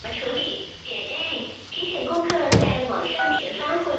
某些量子霍尔态似乎拥有适用于的性质。